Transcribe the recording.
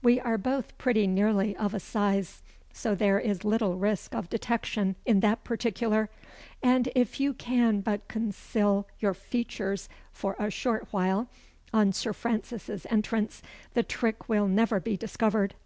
We are both pretty nearly of a size, so there is little risk of detection in that particular; and if you can but conceal your features for a short while, on Sir Francis's entrance, the trick will never be discovered.